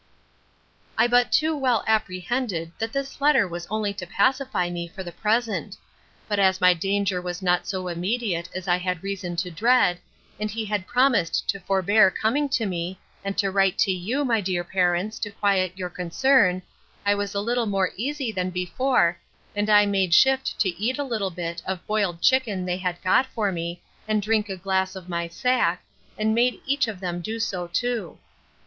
I but too well apprehended that the letter was only to pacify me for the present; but as my danger was not so immediate as I had reason to dread, and he had promised to forbear coming to me, and to write to you, my dear parents, to quiet your concern, I was a little more easy than before and I made shift to eat a little bit of boiled chicken they had got for me, and drank a glass of my sack, and made each of them do so too.